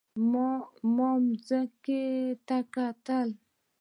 ما ځمکې ته کتل.